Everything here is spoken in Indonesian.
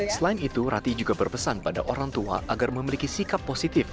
selain itu rati juga berpesan pada orang tua agar memiliki sikap positif